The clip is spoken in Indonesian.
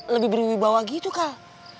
lebih berwibawa gitu kal